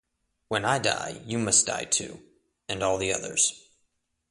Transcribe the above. When I die, you must die too, and all the others.